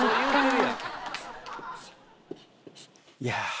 いや。